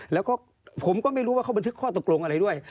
แล้วก็ผมก็ไม่รู้ว่าเขาบันทึกข้อตกลงอะไรด้วย